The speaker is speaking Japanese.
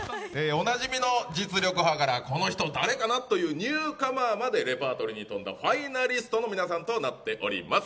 おなじみの実力派からこの人誰かな？というニューカマーまで、レパートリーに富んだファイナリストの皆さんとなっています。